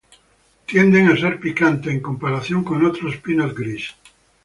Tienden a ser picantes en comparación con otros pinot gris.